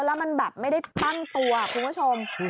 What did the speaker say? แล้วมันแบบไม่ได้ตั้งตัวคุณผู้ชม